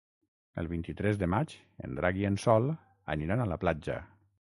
El vint-i-tres de maig en Drac i en Sol aniran a la platja.